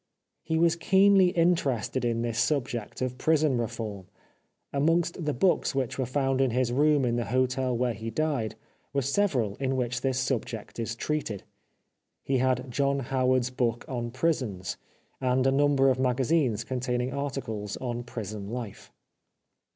He was keenly interested in this subject of prison reform. Amongst the books which were found in his room in the hotel where he died were several in which this subject is treated. He had John Howard's book on '' Prisons," and a number of magazines containing articles on prison life.